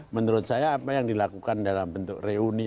menurut saya apa yang dilakukan dalam bentuk reuni